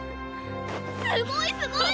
すごいすごい！